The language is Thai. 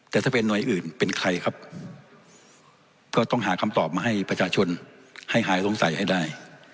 แต่ถ้าเป็นหน่วยอื่นเป็นใครครับก็ต้องหาคำตอบมาให้ประชาชนให้หายสงสัยให้ได้